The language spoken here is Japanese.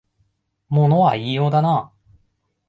物は言いようだな